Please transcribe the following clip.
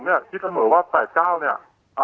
แต่คิดเสมอว่า๘เทอม๙เนี่ย